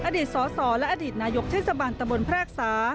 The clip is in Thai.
อดีตสสและอดีตนายกเทศบาลตะบนแพรกษา